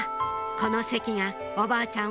この席がおばあちゃん